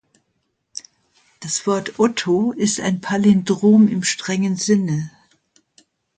Das Wort "Otto" ist ein Palindrom im strengen Sinne.